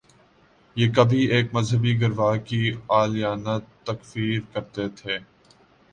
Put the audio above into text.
یہ کبھی ایک مذہبی گروہ کی اعلانیہ تکفیر کرتے تھے۔